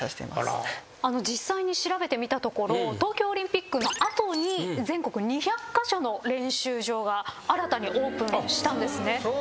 実際に調べてみたところ東京オリンピックの後に全国２００カ所の練習場が新たにオープンしたんですね。